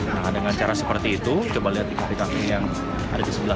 nah dengan cara seperti itu coba lihat di kafe kafe yang ada di sebelah